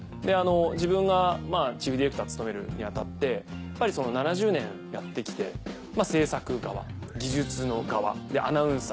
自分がチーフディレクター務めるにあたってやっぱりその７０年やってきて制作側技術の側アナウンサー